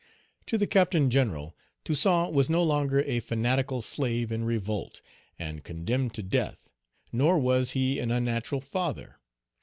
To the Captain General Toussaint was no longer a fanatical slave in revolt, and condemned to death, nor was he an unnatural father.